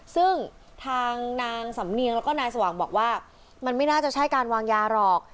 ซึ่งทางนางสำเนียงแล้วก็นายสว่างบอกว่ามันไม่น่าจะใช่การวางยาหรอก